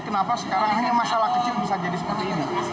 kenapa sekarang hanya masalah kecil bisa jadi seperti ini